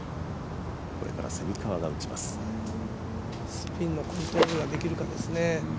スピンのコントロールができるかですね。